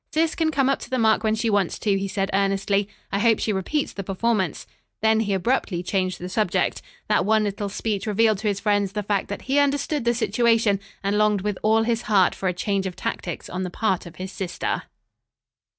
"Sis can come up to the mark when she wants to," he said earnestly. "I hope she repeats the performance." Then he abruptly changed the subject. That one little speech revealed to his friends the fact that he understood the situation and longed with all his heart for a change of tactics on the part of his sister.